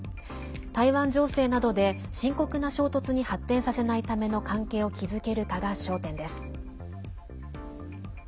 台湾情勢などで深刻な衝突に発展させないための関係を築けるかが焦点です。